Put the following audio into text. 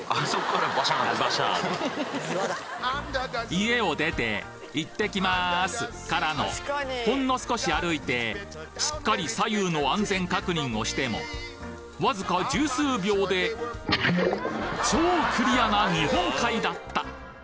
家を出ていってきますからのほんの少し歩いてしっかり左右の安全確認をしてもわずか１０数秒でチョクリアな日本海だった！